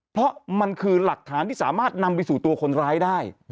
เพราะมันคือหลักฐานที่สามารถนำไปสู่ตัวคนร้ายได้